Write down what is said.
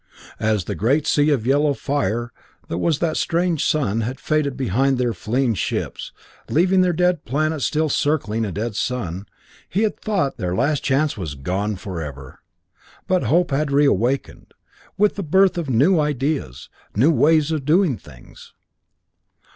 As the great sea of yellow fire that was that strange sun had faded behind their fleeing ships, leaving their dead planets still circling a dead sun, he had thought their last chance was gone forever. But hope had reawakened, with the birth of new ideas, new ways of doing things.